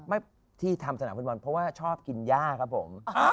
ไม่ที่ทำสนามฟุตบอลเพราะว่าชอบกินย่าครับผม